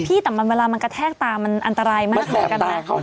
พี่แต่เวลามันกะแทกตามันอันตรายมากกันเลย